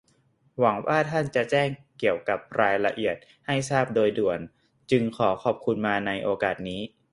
หวังว่าท่านจะแจ้งเกี่ยวกับรายละเอียดให้ทราบโดยด่วน จึงขอขอบคุณมาในโอกาสนี้